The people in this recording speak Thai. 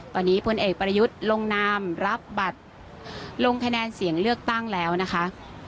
ตอนนี้พลเอกประยุทธ์ลงนามรับบัตรลงคะแนนเสียงเลือกตั้งแล้วนะคะ